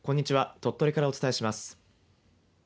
鳥取からお伝えします。